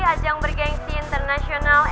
ajang bergengsi internasional